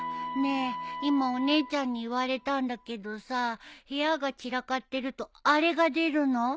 ねえ今お姉ちゃんに言われたんだけどさ部屋が散らかってるとあれが出るの？